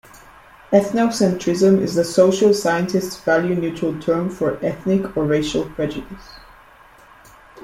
"Ethnocentrism" is the social scientist's value-neutral term for ethnic or racial prejudice.